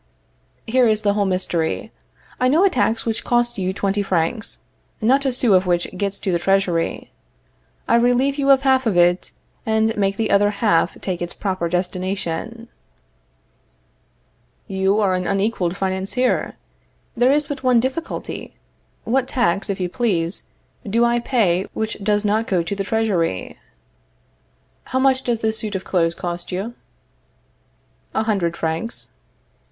Here is the whole mystery: I know a tax which costs you twenty francs, not a sou of which gets to the Treasury. I relieve you of half of it, and make the other half take its proper destination. You are an unequaled financier. There is but one difficulty. What tax, if you please, do I pay, which does not go to the Treasury? How much does this suit of clothes cost you? A hundred francs.